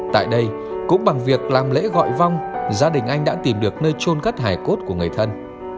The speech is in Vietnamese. tại đây cũng bằng việc làm lễ gọi vong gia đình anh đã tìm được nơi trôn cất hải cốt của người thân